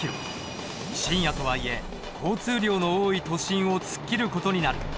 深夜とはいえ交通量の多い都心を突っ切る事になる。